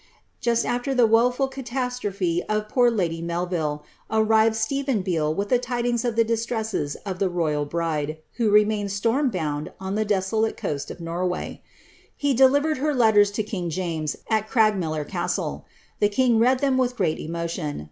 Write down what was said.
Just after the woful catastrophe of poor lady Melville, arrived Sietfn Beale with the lidiiigs of ihe distresses of the royal bride, who reniaind slorjii bound on the desolate coast of Norway. He delivered her leueri to king James, at Craigmillar Cnstle. The kin^r read them with great emotion.